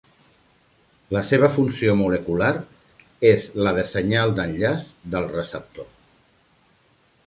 La seva funció molecular és la de senyal d'enllaç del receptor.